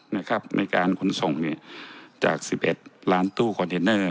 ในการขนส่งจาก๑๑ล้านตู้คอนเทนเนอร์